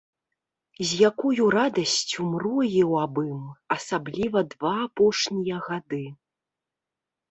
З якою радасцю мроіў аб ім, асабліва два апошнія гады.